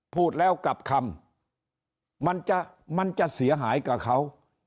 พูดแล้วกลับคำมันจะมันจะเสียหายกับเขา